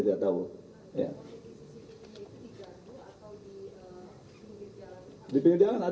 di penyediaan itu di jandu atau di penyediaan jalan